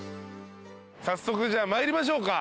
早速じゃあ参りましょうか。